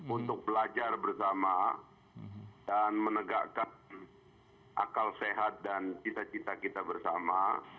untuk belajar bersama dan menegakkan akal sehat dan cita cita kita bersama